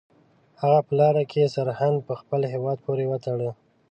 هغه په لاره کې سرهند په خپل هیواد پورې وتاړه.